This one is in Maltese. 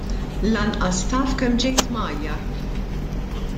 Lanqas taf kemm ġejt mgħajjar!